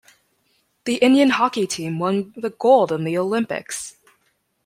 The Indian Hockey team won the Gold in the Olympics.